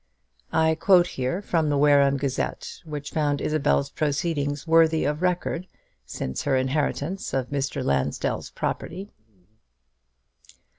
I quote here from the "Wareham Gazette," which found Isabel's proceedings worthy of record since her inheritance of Mr. Lansdell's property.